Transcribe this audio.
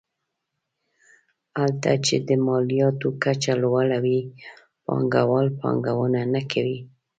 هلته چې د مالیاتو کچه لوړه وي پانګوال پانګونه نه کوي.